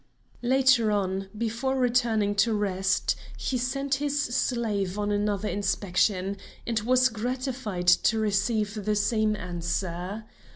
Later on, before retiring to rest, he sent his slave on another inspection, and was gratified to receive the same answer.